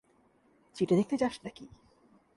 চেটে দেখতে চাস নাকি?